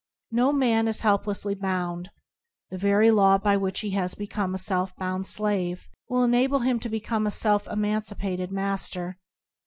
No man is helplessly bound. The very law by which he has become a self bound slave will enable him to become a self emancipated master.